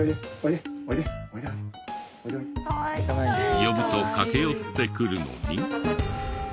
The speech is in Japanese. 呼ぶと駆け寄ってくるのに。